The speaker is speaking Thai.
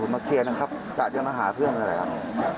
ก็ทางแทบ